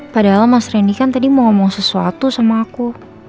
padahal mas randy kan tadi mau ngomong sesuatu sama aku